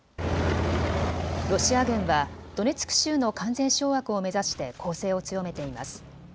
ロシア軍はドネツク州の完全掌握を目指して攻勢を強めています。